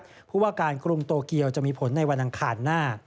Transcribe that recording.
เพราะว่าการกรุงโตเกียวจะมีผลในวันอังคารหน้า